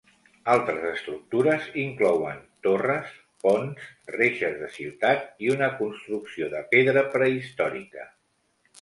Altres estructures inclouen torres, ponts, reixes de ciutat i una construcció de pedra prehistòrica.